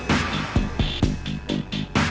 kok beneran sakit ya